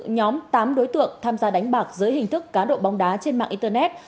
nhóm tám đối tượng tham gia đánh bạc dưới hình thức cá độ bóng đá trên mạng internet